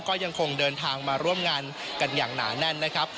ก็ยังคงเดินทางมาร่วมงานกันอย่างหนาแน่นนะครับ